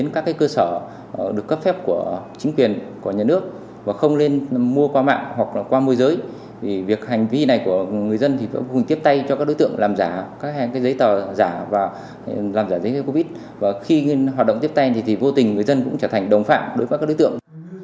các đồng trên phiếu xét nghiệm sars cov hai đã được lực lượng làm giả phiếu xét nghiệm sars cov hai và khi hoạt động tiếp tên vô tình người dân cũng trở thành đồng phạm đối với các đối tượng